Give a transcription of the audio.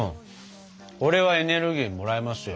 これはエネルギーもらえますよ。